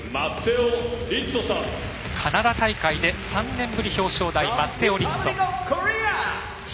カナダ大会で３年ぶり表彰台マッテオ・リッツォ。